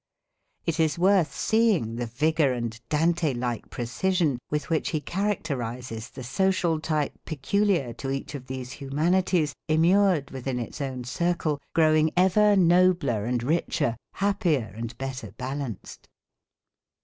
It is worth seeing the vigour and Dante like precision with which he characterises the social type peculiar to each of these humanities, immured within its own circle, growing ever nobler and richer, happier and better balanced.